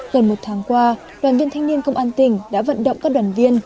gần một tháng qua đoàn viên thanh niên công an tỉnh đã vận động các đoàn viên